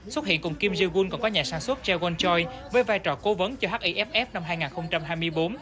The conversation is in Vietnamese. xuất hiện cùng kim jae woon còn có nhà sản xuất jaewon choi với vai trò cố vấn cho hiff năm hai nghìn hai mươi bốn